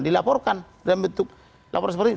dilaporkan dalam bentuk laporan seperti ini